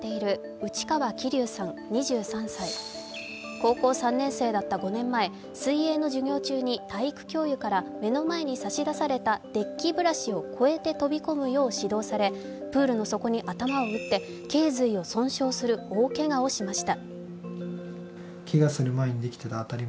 高校３年生だった５年前、水泳の授業中に体育教諭から目の前に差し出されたデッキブラシを越えて飛び込むよう指導されプールの底に頭を打って頸髄を損傷する大けがをしました。